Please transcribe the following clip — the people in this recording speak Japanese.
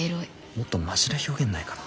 もっとマシな表現ないかな。